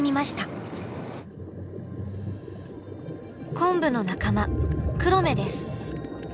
コンブの仲間クロメです。